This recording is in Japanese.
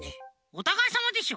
おたがいさまでしょ。